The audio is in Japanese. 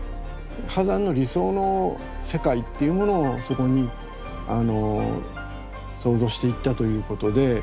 波山の理想の世界っていうものをそこに創造していったということで。